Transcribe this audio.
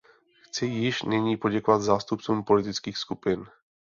Chci již nyní poděkovat zástupcům politických skupin.